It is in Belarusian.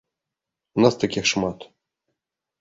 У нас такіх шмат?